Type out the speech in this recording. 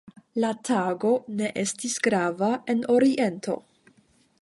La tago ne estis grava en Oriento.